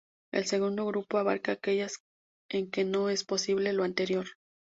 El segundo grupo abarca aquellas en que no es posible lo anterior.